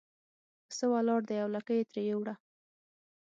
پسه ولاړ دی او لکۍ یې ترې یووړه.